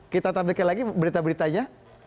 kita tampilkan lagi berita beritanya